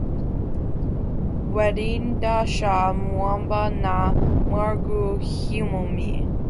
Wedeenda sha mwemba na marughu ghiomie.